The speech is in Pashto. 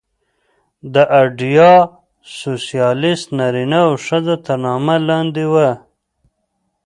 دا ایډیا د سوسیالېست نارینه او ښځه تر نامه لاندې وه